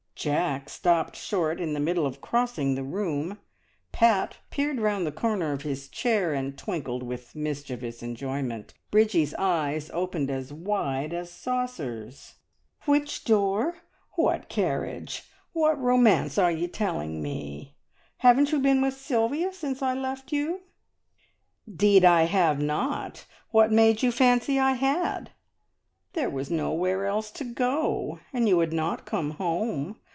Jack stopped short in the middle of crossing the room, Pat peered round the corner of his chair and twinkled with mischievous enjoyment, Bridgie's eyes opened as wide as saucers. "Which door? What carriage? What romance are ye telling me? Haven't you been with Sylvia since I left you?" "'Deed I have not. What made you fancy I had?" "There was nowhere else to go, and you had not come home.